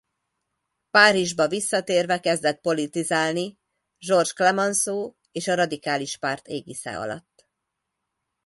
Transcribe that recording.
Párizsba visszatérve kezdett politizálni Georges Clemenceau és a Radikális Párt égisze alatt.